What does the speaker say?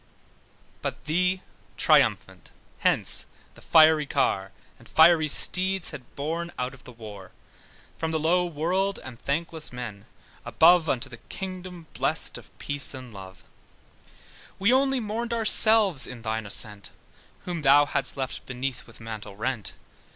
But thee triumphant hence the fiery car, And fiery steeds had borne out of the war, From the low world, and thankless men above, Unto the kingdom blest of peace and love: We only mourned ourselves, in thine ascent, Whom thou hadst left beneath with mantle rent.